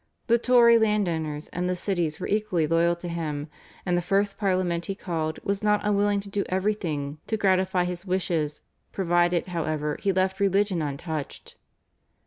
The Tory landowners and the cities were equally loyal to him, and the first Parliament he called was not unwilling to do everything to gratify his wishes, provided, however, he left religion untouched.